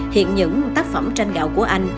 hiện những tác phẩm tranh gạo của anh